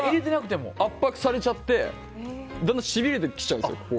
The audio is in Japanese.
圧迫されちゃって、だんだんしびれてきちゃうんですよ。